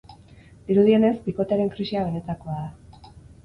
Dirudienez, bikotearen krisia benetakoa da.